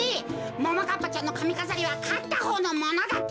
ももかっぱちゃんのかみかざりはかったほうのものだってか。